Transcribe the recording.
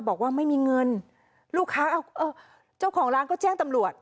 บอกว่าไม่มีเงินลูกค้าเจ้าของร้านก็แจ้งตำรวจ